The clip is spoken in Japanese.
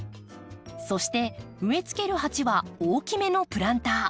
そして植えつける鉢は大きめのプランター。